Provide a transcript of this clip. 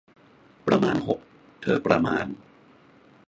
ประมาณหก เธอประมาณ